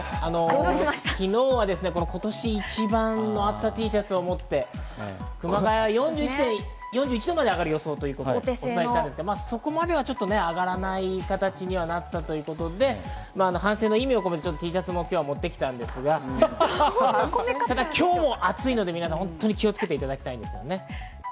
昨日は今年一番の暑さＴシャツをもって、熊谷、４１度まで上がる予想とお伝えしたんですが、そこまでは上がらない形になったということで、反省の意味を込めてＴシャツを今日も持ってきたんですが、ただ、今日も暑いので本当に気をつけていただきたいです。